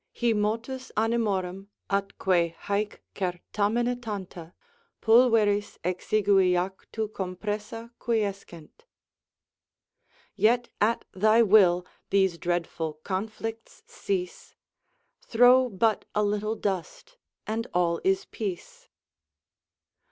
Hi motus animorum, atque hoc certamina tanta, Pulveris exigui jactu compressa quiescent. "Yet at thy will these dreadful conflicts cease, Throw but a little dust and all is peace."